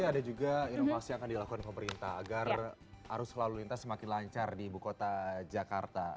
ada juga inovasi yang akan dilakukan pemerintah agar arus lalu lintas semakin lancar di ibu kota jakarta